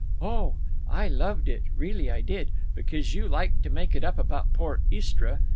"Oh, I loved it—really I did—because you liked to make it up about poor Istra.